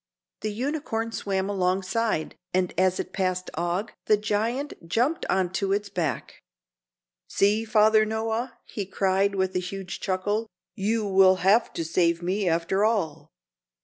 The unicorn swam alongside, and as it passed Og, the giant jumped on to its back. "See, Father Noah," he cried, with a huge chuckle, "you will have to save me after all.